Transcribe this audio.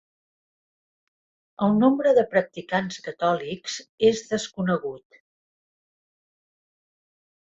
El nombre de practicants catòlics és desconegut.